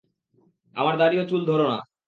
আমার দাড়ি ও চুল ধরো না।